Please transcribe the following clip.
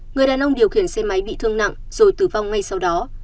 người đàn ông điều khiển xe máy bị thương nặng rồi tử vong ngay sau đó